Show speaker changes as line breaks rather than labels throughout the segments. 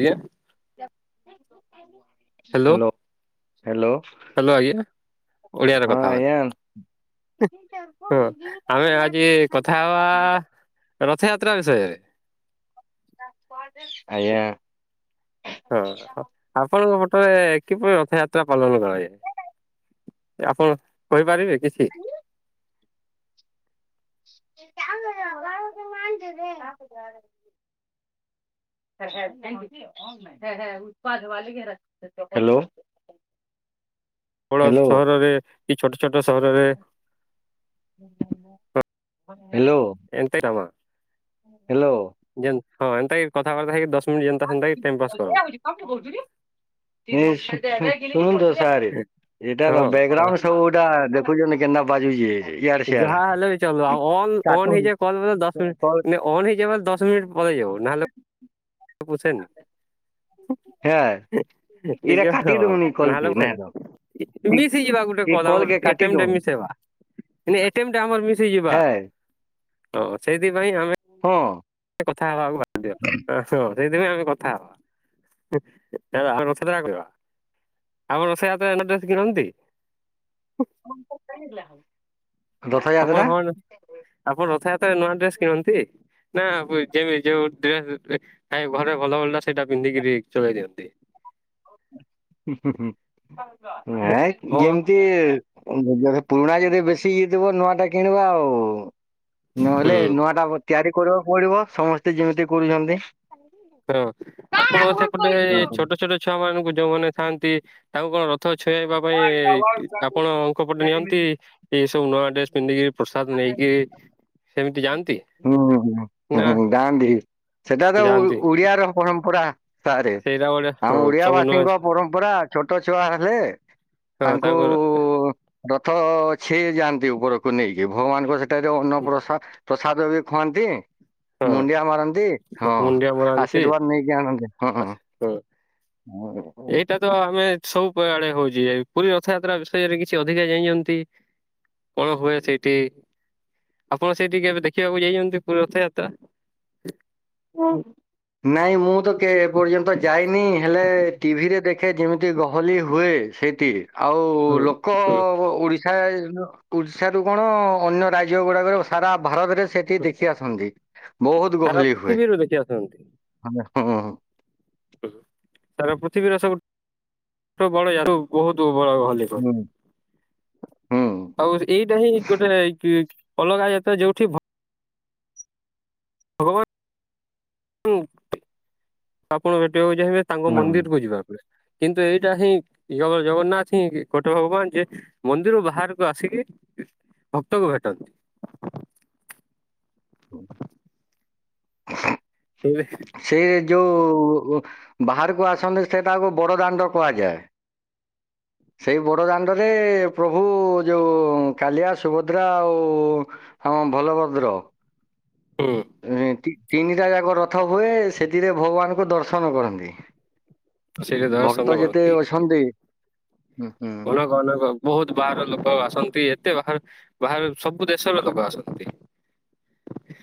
ଆଜ୍ଞା। Hello
hello hello.
Hello ଆଜ୍ଞା, ଓଡ଼ିଆରେ କଥା ହବା। ହଁ ଆମେ ଆଜି କଥା ହବା
[inaudible]
ରଥଯାତ୍ରା ବିଷୟରେ?
ଆଜ୍ଞା।
ହଁ ଆପଣଙ୍କ ପଟରେ କିପରି ରଥଯାତ୍ରା ପାଳନ କରାଯାଏ? ଆପଣ କହିପାରିବେ କିଛି?
[inaudible]
ହ [inaudible]
ହ୍ୟାଲୋ।
ବଡ଼
ହ୍ୟାଲୋ
ସହରରେ କି ଛୋଟ ଛୋଟ ସହରରେ
ହ୍ୟାଲୋ।
ଏମନ୍ତି କାମ,
ହ୍ୟାଲୋ
ଯେ ହଁ ଏନ୍ତା କଥାବାର୍ତ୍ତା ହେଇକି ଦଶ ମିନିଟ୍ ଯେମ
ଅଧିକା ହଉଚି, ଖାଉଚି କୋଉଚିକି ଏଶୁଣନ୍ତୁ ସାର୍? ଏଟା
ହଁ ହଁ
ବ୍ୟାକଗ୍ରାଉଣ୍ଡ ସବୁ ଗୋଟା [inaudible]
ଯାହା ହେଲେ ବି ଚାଲୁ ଆଉ ଅନ ଅନ୍
କାଟନ୍ତୁ
ହେଇଯାଏ କଲ୍ ଦଶ
କଲ୍
ମିନିଟ୍ ଅନ୍ ହେଇଯିବାର ଦଶ ମିନିଟ ପରେ ହେଇଯାଉ, ନହଲେ ସେ ପୁଛେନି।
ହେଁ ଏଇଟା
ଠିକ୍
କାଟି
ଅଛ
ଦଉନି କଲ୍ କି ନାଇଁ
[unintelligible]
ତ ଏ
ମିଶି ଯିବା ଗୋଟେ
ଏ କଲ୍ କେ
କଦମର
କାଟି
ଏ
ଦଉନି
ମିଶେଇବା ଏ କେମନ୍ତି ଆମର ମିଶିଯିବା
ହେଁ
ତ ସେଇଥିପାଇଁ ଆମେ
ହଁ।
କଥା ହବାକୁ ବାଧ୍ୟ, ହଁ। ହଁ ସେଇଥିପାଇଁ ଆମେ କଥା ହବା, ଆମେ ବାହାର କଥାବର୍ତ୍ତା କରିଆ? ଆପଣ ରଥାଯାତ୍ରା ରେ ନୂଆ ଡ୍ରେସ କିଣନ୍ତି?
ପମ୍ପ କିଣିଲା?
ଆପଣ ହଁ ଆପଣ ରଥଯାତ୍ରାରେ ନୂଆ ଡ୍ରେସ୍ କିଣନ୍ତି? ନା ହୁଏନି ଯେମିତି ଯୋଉ ଡ୍ରେସ ଥାଏ ଘରେ ଭଲ ଭଲଟା ସେଇଟା ପିନ୍ଧିକିରି ଚଳେଇ ଦିଏନ୍ତି।
ହୁଁ ହୁଁ ନାଇଁ
ହଁ
ଯେମିତି ପୁରୁଣା ଯଦି ବେଶୀ ଇଏ ହେଇଥିବ ନୂଆ ଟା କିଣିବା ଆଉ। ନହେଲେ
ହୁଁ
ନୂଆଟା ତିଆରି କରିବାକୁ ପଡିବ ସମସ୍ତେ ଯେମିତି କରୁଛନ୍ତି।
ହଁ ଆପଣଙ୍କ
ହୁଁ
ସେପଟେ ଛୋଟ ଛୋଟ ଛୁଆ ମାନଙ୍କୁ ଯୋଉମାନେ ଥାଆନ୍ତି ତାଙ୍କୁ କଣ ରଥ ଛୁଆଁଇବା ପାଇଁ ଆପଣଙ୍କ ପଟେ ନିଅନ୍ତି ଏସବୁ ନୂଆ ଡ୍ରେସ୍ ପିନ୍ଧିକି? ପ୍ରସାଦ ନେଇକି ସେମିତି ଯାଆନ୍ତି
ହୁଁ
ନା
ହୁଁ ହୁଁ ଯାଆନ୍ତି ସେଟା ତ
ଯାଆନ୍ତି?
ଓଡିଆର ପରମ୍ପରା ସାରେ
ସେଇଟା ଗୋଟେ
ଆମ
ହଁ
ଓଡିଆ
ସବୁ ନୂଆ
ବାସୀଙ୍କ
ଝି-
ପରମ୍ପରା ଛୋଟ ଛୁଆ ହେଲେ
ହଁ
ତାଙ୍କୁ
ତାଙ୍କର
ରଥ ଅଛି ଯାଆନ୍ତି ଉପରକୁ ନେଇକି ଭଗବାନଙ୍କ ସେ ଯୋଉ ଅନ୍ନ ପ୍ରସାଦ ପ୍ରସାଦ ବି ଖୁଆନ୍ତି।
ହଁ
ମୁଣ୍ଡିଆ ମାରନ୍ତି ହଁ,
ମୁଣ୍ଡିଆ ମରାନ୍ତି
ଆଶୀର୍ବାଦ ନେଇକି ଆଣନ୍ତି ହଁ।
ଆଚ୍ଛା ହଁ। ଏଇଟା ତ ଆମେ ସବୁ ଆଡେ ହଉଛି, ପୁରୀ ରଥଯାତ୍ରା ବିଷୟରେ କିଛି ଅଧିକା ଜାଣିଛନ୍ତି? କଣ ହୁଏ ସେଇଠି, ଆପଣ ସେଇଠିକି କେବେ ଦେଖିବାକୁ ଯାଇଛନ୍ତି ପୁରୀ ରଥଯାତ୍ରା?
ନାଇଁ ମୁଁ ତ କେ ଏପର୍ଯ୍ୟନ୍ତ ଯାଇନି ହେଲେ ଟିଭିରେ ଦେଖ ଦେଖେ ଯେମିତି ଗହଲି ହୁଏ ସେଇଠି, ଆଉ
ହୁଁ
ଲୋକ
ହୁଁ
ଓଡ଼ି ଶା ଓଡ଼ିଶାରୁ କଣ ଅନ୍ୟ ରାଜ୍ୟ ଗୁଡାକରେ ସାରା ଭାରତରେ ସେ କେହି
ହୁଁ।
ଦେଖି ଆସନ୍ତି ବହୁତୁ ଗହଳି ହୁଏ।
ହୁଁ।
ଆଜ୍ଞା ହଁ ହଁ।
ସାରା ପୃଥିବୀର ସବୁ [unintelligible] ବହୁତ ବଡ ଲେବ
ହୁଁ
ଆଉ ଏଇଟା ହିଁ ଗୋଟେ ଅଲଗା ଯାତ୍ରା ଯୋଉଠି ଭ ଭଗବାନ-ଆପଣ ଭେଟିବାକୁ ଚାହିଁବେ। ତାଙ୍କ
ହୁଁ
ମନ୍ଦିର କୁ ଯିବା ପଡେ କିନ୍ତୁ ଏଇଟା ହିଁ ଜଗ ଜଗନ୍ନାଥ ହିଁ ଗୋଟେ ଭଗବାନ ଯେ ମନ୍ଦିରରୁ ବାହାରକୁ ଆସିକି ଭକ୍ତକୁ ଭେଟନ୍ତି।
[inaudible]
[unintelligible]
ସେଇ ଯୋଉ ବାହାରକୁ ଆସନ୍ତି ସେଇଟାକୁ ବଡ ଦାଣ୍ଡ କୁହାଯାଏ। ସେଇ ବଡ଼ ଦାଣ୍ଡରେ ପ୍ରଭୁ ଯୋଉ କାଲିଆ ସୁଭଦ୍ରା ଆଉ ହଁ ଭଲଭଦ୍ର।
ହୁଁ।
ଉଁ ତିନିଟା ଯାକ ରଥ ହୁଏ ସେଥିରେ ଭଗବାନକୁ ଦର୍ଶନ କରନ୍ତି।
ସେଇଠି ଦର୍ଶନ
ଭକ୍ତ ଯେତେ
କରନ୍ତି
ଅଛନ୍ତି ହୁଁ ହୁଁ
କହନା କହ ବହୁତ ବାହାର ଲୋକ ଆସନ୍ତି ଏତେ ବାହାରୁ ବାହାରୁ ସବୁ ଦେଶର ଲୋକ ଆସନ୍ତି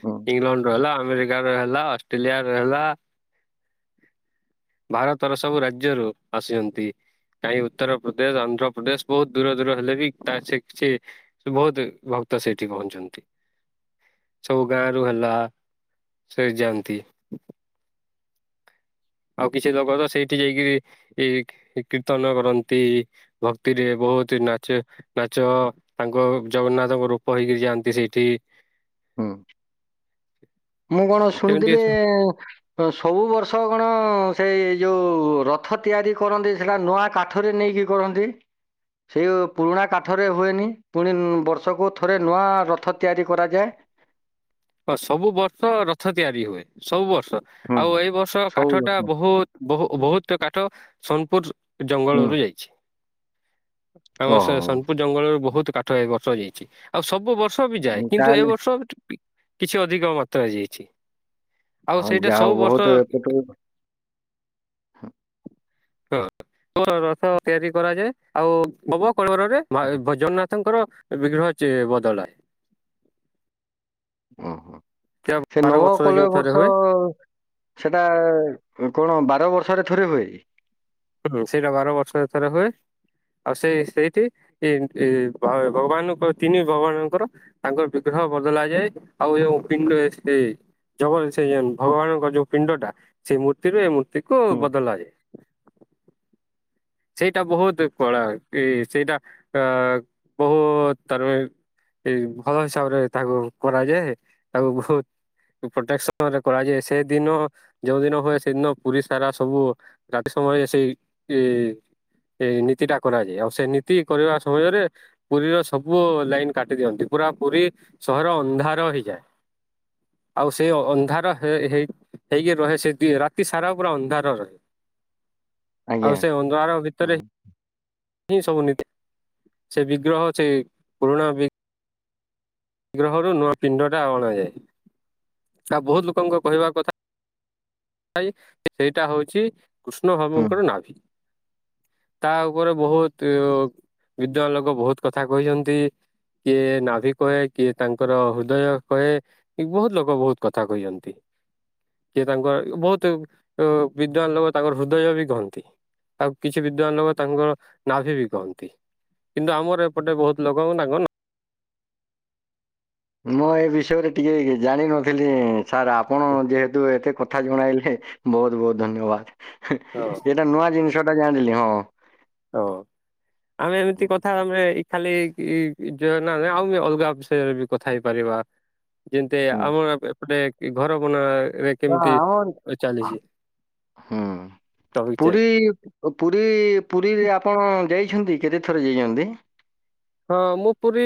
ହୁଁ
ଇଂଲଣ୍ଡ ର ହେଲା ଆମେରିକା ର ହେଲା, ଅଷ୍ଟ୍ରେଲିଆ ର ହେଲା ଭାରତର ସବୁ ରାଜ୍ୟରୁ ଆସିଛନ୍ତି କାହିଁ ଉତ୍ତର [unintelligible] ଆନ୍ଧ୍ରପ୍ରଦେଶ ବହୁତ ଦୂର ଦୂର ହେଲେ ବି ତା-ସେ କିଛି ସେ ବହୁତ ଭକ୍ତ ସେଇଠି ପହଞ୍ଚନ୍ତି। ସବୁ ଗାଁ ରୁ ହେଲା ସେ ଯାଆନ୍ତି। ଆଉ କିଛି ଲୋକ ତ ସେଇଠି ଯାଇକିରି ଏ କୀର୍ତ୍ତନ କରନ୍ତି। ଭକ୍ତି ରେ ବହୁତୁ ନାଚେ। ନାଚ ତାଙ୍କ ଜଗନ୍ନାଥଙ୍କ ରୂପ ହେଇକିରି ଯାଆନ୍ତି ସେଇଠି।
ହୁଁ ମୁଁ କଣ
ସେମିତି
ଶୁଣିଥିଲି
ସ-
ଉଁ ସବୁ ବର୍ଷ କଣ ସେଇ ଯୋଉ ରଥ ତିଆରି କରନ୍ତି ସେଟା ନୂଆ କା ଠରେ ନେଇକି କରନ୍ତି। ସେଇ ପୁରୁଣା କାଠରେ ହୁଏନି ପୁଣି ଉମ ବର୍ଷକୁ ଥରେ ନୂଆ ରଥ ତିଆରି କରାଯାଏ।
ହଁ ସବୁ ବର୍ଷ ରଥ ତିଆରି ହୁଏ। ସବୁ ବର୍ଷ
ହୁଁ
ଆଉ ଏଇ ବର୍ଷ
ସବୁ
କାଠ ଟା
ବର୍ଷ
ବହୁ ବହୁ ବହୁତ କାଠ ସୋନପୁର
ହୁଁ
ଜଙ୍ଗଲରୁ ଯାଇଛି। ଆମ ସେ
ଓହୋ
ସୋନପୁର ଜଙ୍ଗଲରୁ ବହୁତ କାଠ ଏ ବର୍ଷ ଯାଇଛି ଆଉ ସବୁ ବର୍ଷ କାଠ ବି ଯାଏ କିନ୍ତୁ ଏବ
ତାହେଲେ
ବର୍ଷ କିଛି ଅଧିକ ମାତ୍ରାରେ ଯାଇଛି ଆଉ
ହଁ
ସେଇଟା
ଯାହା ହଉ
ସବୁ
ବହୁତ
ବର୍ଷ
ଏପଟୁ
ହ ରଥ ତିଆରି କରାଯାଏ ଆଉ ନବ କଳବରରେ ମା-ଏ ଭଜନ ତାଙ୍କର ବିଗ୍ରହ ଚେ- ବଦଳାଏ।
ହୁଁ ହୁଁ ସେ
ବାର
ନବ
ବର୍ଷରେ
କଲେ
ଯୋଉ ଥରେ
ବର୍ଷ
ହୁଏ
ସେଟା କଣ ବାର ବର୍ଷରେ ଥରେ ହୁଏ କି?
ହୁଁ ସେଇଟା ବାର ବର୍ଷରେ ଥରେ ହୁଏ। ଆଉ ସେଇ ସେଇଠି ତି-ନି ଭଗବାନଙ୍କ ତିନି ଭଗବାନଙ୍କର ତାଙ୍କର ବିଗ୍ରହ ବଦଳା ଯାଏ ଆଉ ହୃତ୍ପିଣ୍ଡ ଏକ୍ସ ଜଗନ ସେ ଭଗବାନଙ୍କ ଯୋଉ ପିଣ୍ଡ ଟା ସେଇ ମୂର୍ତ୍ତିରୁ ଏଇ ମୂର୍ତ୍ତି କୁ
ହୁଁ
ବଦଳାଯାଏ। ସେଇଟା ବହୁତ କଳା ଏ-ସେଇଟା-ଅ ବହୁତ ତରମି ଏଇ ଘର ହିସାବରେ ତାହାକୁ କରାଯାଏ, ତାକୁ ବହୁ ପ୍ରୋଟେକ୍ସନ୍ ରେ କରାଯାଏ ସେଦିନ ଯୋଉ ଦିନ ହୁଏ ସେଦିନ ପୁରୀ ସାରା ସବୁ ରାତି ସମୟରେ ସେଇ ଏ ଏଇ ନୀତି ଟା କରାଯାଏ, ଆଉ ସେ ନୀତି କରିବା ସମୟରେ ପୁରୀର ସବୁ ଲାଇନ୍ କାଟି ଦିଅନ୍ତି, ପୁରା ପୁରୀ ସହର ଅନ୍ଧାର ହେଇଯାଏ। ଆଉ ସେ ଅ- ଅନ୍ଧାର ହେ-ହେଇ ହେଇକି ରହେ ସେ ଦି- ରାତି ସାରା ପୁରା ଅନ୍ଧାର ରହେ।
ଆଜ୍ଞା
ଆଉ ସେ ଅନ୍ଧାର
ହୁଁ।
ଭିତରେ ହିଁ ସବୁ ନିତୀ ସେ ବିଗ୍ରହ ସେ ପୁରୁଣା ବି ଗ୍ରହରୁ ନୂଆ ପିଣ୍ଡଟା ଅଣା ଯାଏ। ତା ବହୁତ ଲୋକଙ୍କ କହିବା କଥା [inaudible] ସେଇଟା ହଉଛି କୃଷ୍ଣ
ହୁଁ
ଭମୁଙ୍କର ନାଭି। ତା ଉପରେ ବହୁତ ଇଅ ନିଜର ଲୋକ ବହୁତ କଥା କହିଛନ୍ତି। କିଏ ନାଭି କହେ କିଏ ତାଙ୍କର ହୃଦୟ କହେ। ଏ ବହୁତ ଲୋକ ବହୁତ କଥା କହିଛନ୍ତି। କିଏ ତାଙ୍କ ବହୁତୁ ଅ, ବିଦ୍ୱାନ ଲୋକ ତାଙ୍କର ହୃଦୟ ବି କହନ୍ତି। ଆଉ କିଛି ବିଦ୍ୱାନ ଲୋକ ତାଙ୍କର ନାଭି ବି କହନ୍ତି। କିନ୍ତୁ ଆମର ଏପଟେ ବହୁତ ଲୋକ ତାଙ୍କ ନା
ମୁଁ ଏ ବିଷୟରେ ଟିକେ ଜାଣିିନଥିଲି। ସାର୍ ଆପଣ ଯେହେତୁ ଏତେ କଥା ଜଣାଇଲେ ବହୁତ ବହୁତ ଧନ୍ୟବାଦ।
ହଁ।
ଏଇଟା ନୂଆ ଜିନିଷଟା ଜାଣିିଲି ହଁ।
ହଁ ଆମେ ଏମିତି କଥା ଆମେ ଏଇ ଖାଲି ଇ-ଯ- ନହେଲେ ଆଉ ଏ ଅଲଗା ବିଷୟରେ ବି କଥା ହେଇପାରିବା। ଯେମିତି
ହଁ
ଆମ ଏପ ଏପଟେ ଇ-ଘର ବନା ରେ
ହୁଁ,
ଟପିକ ଚେଞ୍ଜ
ପୁରୀ ଓ ପୁରୀ ପୁରୀରେ ଆପଣ ଯାଇଛନ୍ତି କେତେଥର ଯାଇଛନ୍ତି?
ହଁ ମୁଁ ପୁରୀ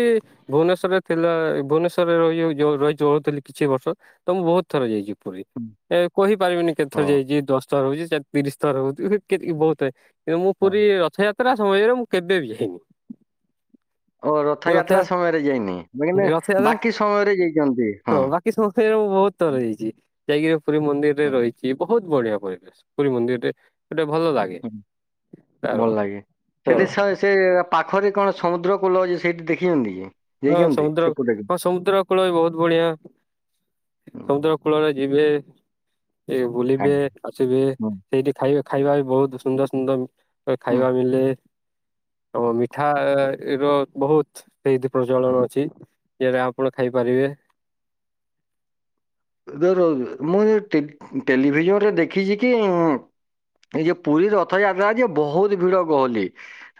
ଭୁବନେଶ୍ଵରରେ ଥିଲା, ଏଇ ଭୁବନେଶ୍ଵରରେ ରହି ଉ, ଯୋଉ ରହି ଯାଉଥିଲି କିଛି ବର୍ଷ ତ ମୁଁ ବହୁତ ଥର ଯାଇଛି ପୁରୀ।
ହୁଁ,
ଏ କହିପାରିବିନି କେତେଥର
ହଁ
ଯାଇଚି, ଦଶ ଥର ହଉଚି, ତିରିଶ ଥର ହଉଚୁ ହେ କେତ୍ ବହୁତ ଏ ମୁଁ
ହଁ।
ପୁରୀ ରଥଯାତ୍ରା ସମୟରେ ମୁଁ କେବେ ବି ଯାଇନି।
ଓ
ମୁଁ ରଥ
ରଥଯାତ୍ରା ସମୟରେ ଯାଇନି ନହିନେ
ରଥଯାତ୍ରା
ବାକି ସମୟରେ ଯାଇଚନ୍ତି।
ହଁ ବାକି [unintelligible] ମୁଁ ବହୁତ ତର ଯାଇଚି, ଯାଇକି ଏ ପୁରୀ ମନ୍ଦିରରେ
ହଁ
ରହି ସିଏ ବହୁତ ବଢିଆ ପରିବେଶ ପୁରୀ ମନ୍ଦିରଟେ ଗୋଟେ ଭଲ ଲାଗ
[inaudible] ଭଲ ଲାଗେ
ହଁ।
ସେଟି ସ ସେ ପାଖରେ କଣ ସମୁଦ୍ର କୂଲ ଅଛି ସେଇଠି ଦେଖିଛନ୍ତି କି?
ହଁ
ଯାଇଛନ୍ତି
ସମୁଦ୍ର,
ସେପଟକୁ?
ହଁ ସମୁଦ୍ର କୂଳ ବି ବହୁତ ବଢିଆ,
ହୁଁ
ସମୁଦ୍ର କୂଳରେ ଯିବେ ଏ ବୁଲିବେ
ଆଜ୍ଞା।
ଆସିବେ।
ହୁଁ।
ସେଇଠି ଖାଇବେ, ଖାଇବା ବି ବହୁତ ସୁନ୍ଦର ସୁନ୍ଦର ଏ
ହୁଁ।
ଖାଇବା ମିଲେ। ଓ ମିଠା ର ବହୁତ ସେଇଠି ପ୍ରଚଳଣ ଅଛି। ଯେଟା ଆପଣ ଖାଇପାରିବେ।
ରୁହ ରୁହ ରୁ- ମୁଁ ସେ ଟେଲ ଟେଲିଭିଜନ ରେ ଦେଖିଛି କି ଉଁ, ଏଇ ଯେ ପୁରୀ ରଥଯାତ୍ରା ଯେ ବହୁତ ଭିଡ ଗହଲି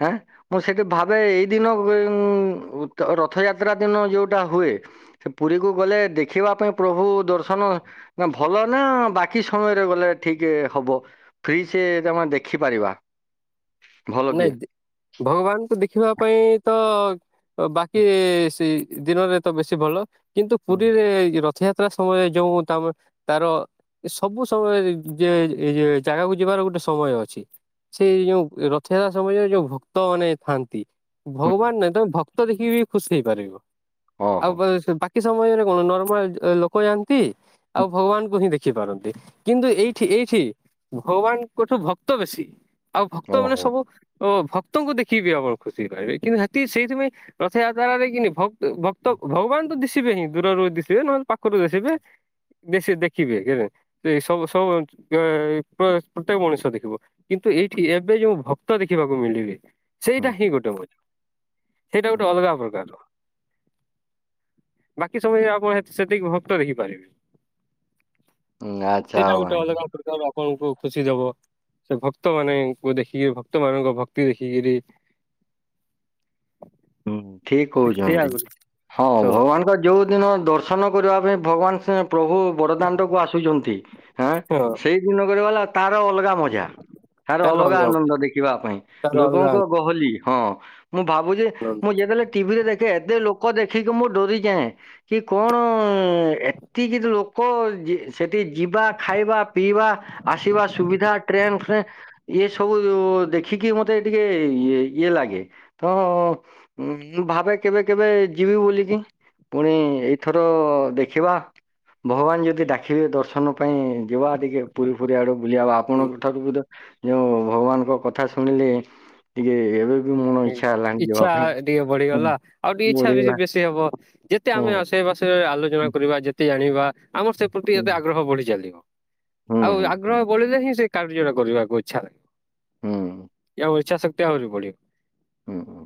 ହାଁ। ମୁଁ ସେଠି ଭାବେ ଏଇ ଦିନ ଗଏ ଉଁ, ଉଥ ରଥଯାତ୍ରା ଦିନ ଯୋଉଟା ହୁଏ ସେ ପୁରୀକୁ ଗଲେ ଦେଖିବା ପାଇଁ ପ୍ରଭୁ ଦର୍ଶନ ନା ଭଲ ନା ବାକି ସମୟରେ ଗଲେ ଠିକ୍ ହବ। ଫ୍ରି ସେ ଯମା ଦେଖିପାରିବା। ଭଲ କି?
ନାଇଁ ଭଗବାନଙ୍କୁ ଦେଖିବା ପାଇଁ ତ ବାକି ସେଇ ଦିନରେ ତ ବେଶୀ ଭଲ କିନ୍ତୁ
ହୁଁ।
ପୁରୀରେ ରଥଯାତ୍ରା ସମୟରେ ଯୋଉ ତମ ତାର ଏ ସବୁ ସମୟ ଯେ ଏ ଯେ ଜାଗାକୁ ଯିବାର ଗୋଟେ ସମୟ ଅଛି। ସେଇ ଯୋଉ ରଥଯାତ୍ରା ସମୟରେ ଯୋଉ ଭକ୍ତ ମାନେ ଥାଆନ୍ତି ଭଗବାନ ନାହିଁ ତମ ଭକ୍ତ ଭକ୍ତ ଦେଖିକି ଖୁସି ହେଇପାରିବ। ଆଉ ବାକି ସମୟରେ କଣ ନର୍ମାଲ ଲୋ କୋୟାନ୍ତି ଆଉ ଭଗବାନ କୁ ହିଁ ଦେ ଦେଖି ପାରନ୍ତି କିନ୍ତୁ ଏଇଠି ଏଇଠି ଭଗବାନଙ୍କଠୁ ଭକ୍ତ ବେଶୀ। ଆଉ ଭକ୍ତ ମାନେ ସବୁ ଅ ଭକ୍ତଙ୍କୁ ଦେଖି ବିି ଅବଳ ଖୁସି ରହିବେ କିନ୍ତୁ ସେତିକି ସେଇଥିପାଇଁ ରଥଯାତ୍ରାରେ ଦେଖିନି ଭ ଭକ୍ତ ଭଗବାନ ତ ଦିଶିବେ ହିଁ ଦୂରରୁ ଦିଶିବେ ନହେଲେ ପାଖରୁ ଦିଶିବେ। ବେଶୀ ଦେଖିବେ କେବେ? ସେ ସବୁ ସବୁ ପ୍ରତ୍ୟେକ ମଣିଷ ଦେଖିବ କିନ୍ତୁ ଏଇଠି ଏବେ ଯୋଉ ଭକ୍ କ୍ତ ଦେଖିବାକୁ ମିଳିବେ
ହୁଁ,
ସେଇଟା ହିଁ ଗୋଟେ। [unintelligible] ସେଇଟା ଗୋଟେ
ହୁଁ,
ଅଲଗା ପ୍ରକାରର। ବାକି ସବୁ ଆପଣ ସେତିକି ଭକ୍ତ ଦେଖିପାରିବେ।
ଆଚ୍ଛା
ସେଇଟା ଗୋଟେ
ଭାଇ
ଅଲଗା ପ୍ରକାର। ଆପଣଙ୍କୁ ଖୁସି ଦବ। ସେ ଭକ୍ତ ମାନଙ୍କୁ ଦେଖିକି ଭକ୍ ଭକ୍ତ ମାନଙ୍କ ଭକ୍ତି ଦେଖିକିରି
ହୁଁ ଠିକ୍
ସେଇଆ
କହୁଛନ୍ତି।
ଆଗରୁ
ହଁ
ତ
ଭଗବାନଙ୍କ ଯେଉଁ ଦିନ ଦର୍ଶନ କରିବା ପାଇଁ ଭଗବାନ ସେ ପ୍ରଭୁ ବଡ ଦାଣ୍ଡକୁ ଆସୁଚନ୍ତି ହଁ ସେଇ ଦିନଗର ବାଲା। ତାର ଅଲଗା ମଜା ତାର ଅଲଗା ଆନନ୍ଦ ଦେଖିବା ପାଇଁ
ତାର ଅଲଗା
ଲୋକଙ୍କ ଗହଲି ହଁ ମୁଁ ଭାବୁଚି
ଆନନ୍ଦ
ମୁଁ
ଦେଖିବ।
ଯେବେଲେ ଟିଭିରେ ଦେଖେ ଏତେ ଲୋକ ଦେଖିକି ମୁଁ ଡୋରିଯାଏଁ। କି କଣ ଏତିକି ଲୋକ ସେଠି ଯିବା ଖାଇବା ପିଇବା ଆସିବା ସୁବିଧା ଟ୍ରେନ ଫ୍ରେ ଇଏ ସବୁ ଦେଖିକି ମତେ ଟିକେ ଇଏ ଇଏ ଲାଗେ। ତ ଉଁ ମୁଁ ଭାବେ କେବେ କେବେ ଯିବି ବୋଲିକି ପୁଣି ଏଇଥର ଦେଖିବା। ଭଗବାନ ଯଦି ଡାକିବେ ଦର୍ଶନ ପାଇଁ ଯିବା ଟିକେ ପୁରୀ ଫୁରୀ ଆଡୁ ବୁଲିବା
ହୁଁ
ଆପଣଙ୍କ ଠାରୁ ବି ତ ଯୋଉଁ ଭଗବାନଙ୍କ କଥା ଶୁଣିଲେ ଟିକେ ଏବେ ବି ମନ ଇଚ୍ଛା ହେଲାଣି ଯିବା
ଇଚ୍ଛା
ପାଇଁ।
ଟିକେ
ହୁଁ
ବଢିଗଲା ଆଉ ଟିକେ ଇଚ୍ଛା ବି
ବଢିଗଲା
ବେଶୀ ହବ [unintelligible] ଯେତେ
ହୁଁ
ଆମେ ରେ ଆଲୋଚନା କରିବା ଯେତେ ଜାଣିବା ଆମର ସେ ପ୍ରତି
ହୁଁ
ଏତେ ଆଗ୍ରହ ବଢି ଚାଲେ।
ହୁଁ
ଆଉ
ହୁଁ ହୁଁ
ଆଗ୍ରହ ବଢିଲେ ହିଁ ସେ କାର୍ଯ୍ୟଟା କରିବାକୁ ଇଚ୍ଛା ହୁଏ। ଆଉ ଇଚ୍ଛା ଶ ଆହୁରି ବଢିବ।
ହୁଁ ହୁଁ।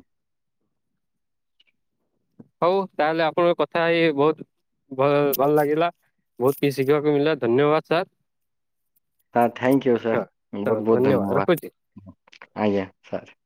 ହୋଉ ତାହେଲେ ଆପଣଙ୍କ କଥା ହେଇ ହେଇ ବହୁତ ଭଲ ଭଲ ଲାଗିଲା ବହୁତ କିଛି ଶିଖିବାକୁ ମିଳିଲା ଧନ୍ୟବାଦ ସାର୍।
ହଁ ଥ୍ୟାଙ୍କୟୁ ସାର୍ ବହୁତ ବହୁତ ଧନ୍ୟବାଦ ଆଜ୍ଞା ସାର୍।